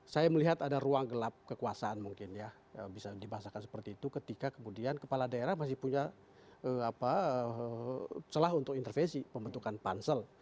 saya melihat ada ruang gelap kekuasaan mungkin ya bisa dibahasakan seperti itu ketika kemudian kepala daerah masih punya celah untuk intervensi pembentukan pansel